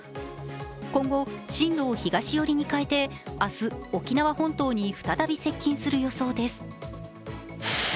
今後、進路を東寄りへ変えて明日、沖縄本島に再び接近する予想です。